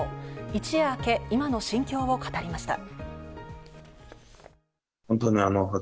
一夜明け、今の心境を語りました。